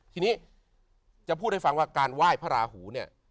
ทีนี้จะพูดให้ฟังว่าการไหว้พระราหูเนี่ย